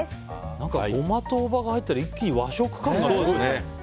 ゴマと大葉が入ったら一気に和食感がすごいですね。